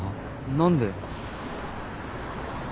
何で？